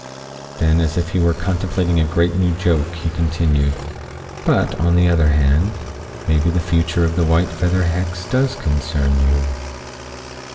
Then as if he were contemplating a great new joke he continued. "But on the other hand, maybe the future of the white feather hex does concern you."